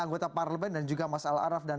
anggota parlemen dan juga mas al araf dan